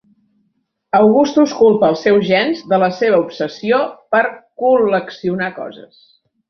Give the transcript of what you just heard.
Augustus culpa els seus gens de la seva obsessió per col·leccionar coses.